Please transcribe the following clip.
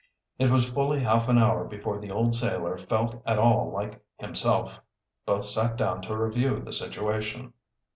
It was fully half an hour before the old sailor felt at all like himself. Both sat down to review the situation.